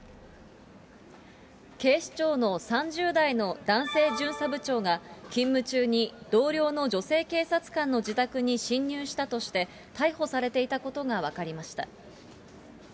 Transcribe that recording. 警視庁の３０代の男性巡査部長が、勤務中に同僚の女性警察官の自宅に侵入したとして、逮捕されていたことが分かりました。